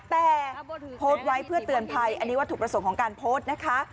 แต่โพสต์ไว้เพื่อเตือนภัยอันนี้วัตถุประสงค์ของการโพสต์นะคะ